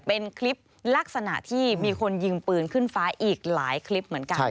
เป็นคลิปลักษณะที่มีคนยิงปืนขึ้นฟ้าอีกหลายคลิปเหมือนกัน